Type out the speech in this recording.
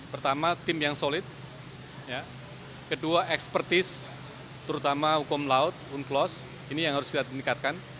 pertama tim yang solid kedua ekspertis terutama hukum laut unclos ini yang harus kita tingkatkan